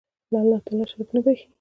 الله تعالی شرک نه بخښي